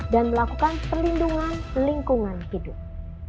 dan melakukan perlindungan lingkungan hidup